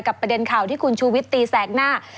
ประเด็นข่าวที่คุณชูวิตตีแสกหน้า